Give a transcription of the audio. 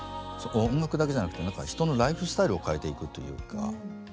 音楽だけじゃなくて人のライフスタイルを変えていくというか。